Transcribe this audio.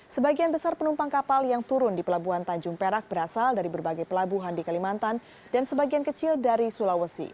sebagian besar penumpang kapal yang turun di pelabuhan tanjung perak berasal dari berbagai pelabuhan di kalimantan dan sebagian kecil dari sulawesi